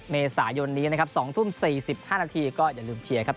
เมษายนนี้นะครับ๒ทุ่ม๔๕นาทีก็อย่าลืมเชียร์ครับ